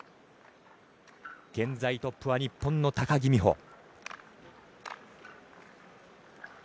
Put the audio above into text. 現在トップは日本の高木美帆。